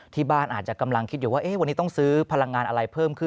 ที่บ้านอาจจะกำลังคิดอยู่ว่าวันนี้ต้องซื้อพลังงานอะไรเพิ่มขึ้น